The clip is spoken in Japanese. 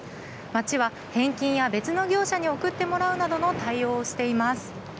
町は、返金や別の業者に送ってもらうなどの対応をしています。